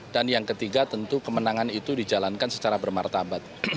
yang ketiga tentu kemenangan itu dijalankan secara bermartabat